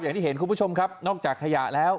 อย่างที่เห็นคุณผู้ชมครับนอกจากขยะแล้ว